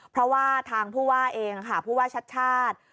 เพราะว่าทางผู้ว่าเองค่ะผู้ว่าชัดชาติ